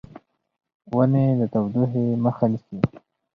ونې د تودوخې مخه نیسي.